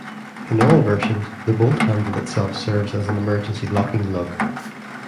In all versions, the bolt handle itself serves as an emergency locking lug.